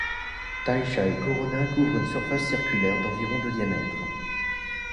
Tai Shan Corona couvre une surface circulaire d'environ de diamètre.